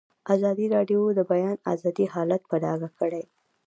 ازادي راډیو د د بیان آزادي حالت په ډاګه کړی.